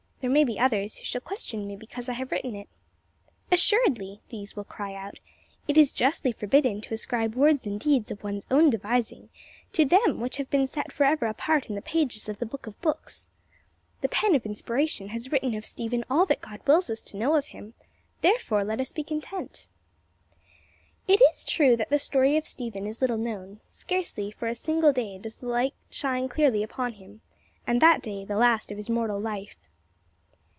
There may be others who shall question me because I have written it. "Assuredly," these will cry out, "it is justly forbidden to ascribe words and deeds of one's own devising to them which have been set forever apart in the pages of the Book of books. The pen of inspiration has written of Stephen all that God wills us to know of him, therefore let us be content." It is true that the story of Stephen is little known; scarcely for a single day does the light shine clearly upon him, and that day the last of his mortal life.